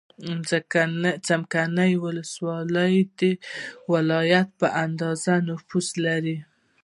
څمکنیو ولسوالۍ د ولایت په اندازه نفوس لري.